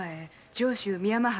上州三山藩？